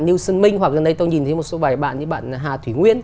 nielson minh hoặc dần đây tôi nhìn thấy một số bài bạn như bạn hà thủy nguyên